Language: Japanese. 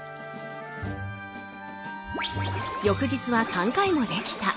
翌日は３回もできた。